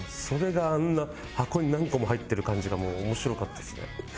それがあんな箱に何個も入ってる感じがもう面白かったですね。